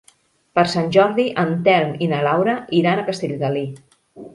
Per Sant Jordi en Telm i na Laura iran a Castellgalí.